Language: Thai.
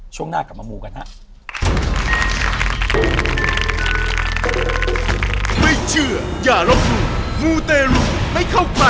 ช่วงหน้ากลับมามูกันฮะ